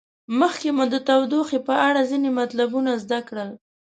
مخکې مو د تودوخې په اړه ځینې مطلبونه زده کړل.